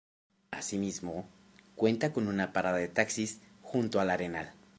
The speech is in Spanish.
Asimismo, cuenta con una parada de taxis junto al Arenal.